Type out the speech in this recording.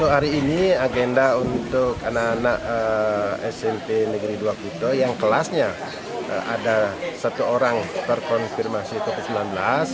hari ini agenda untuk anak anak smp negeri dua kuto yang kelasnya ada satu orang terkonfirmasi covid sembilan belas